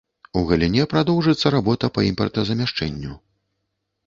У галіне прадоўжыцца работа па імпартазамяшчэнню.